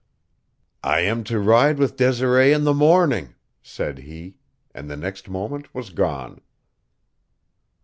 "I am to ride with Desiree in the morning," said he, and the next moment was gone.